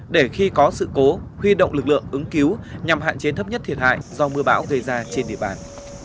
để khi có sự cố huy động lực lượng ứng cứu nhằm hạn chế thấp nhất thiệt hại do mưa bão gây ra trên địa bàn